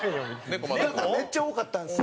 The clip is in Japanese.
めっちゃ多かったんですよ。